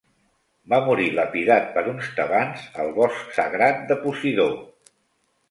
Va morir lapidat per uns tebans al bosc sagrat de Posidó.